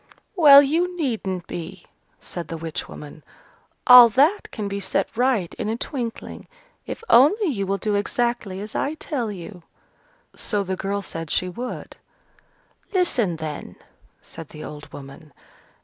"Well, you needn't be," said the witch woman. "All that can be set right in a twinkling: if only you will do exactly as I tell you." So the girl said she would. "Listen, then," said the old woman.